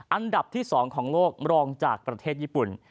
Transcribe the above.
อันดับที่๒ของโลกรองจากประเทศญี่ปุ่น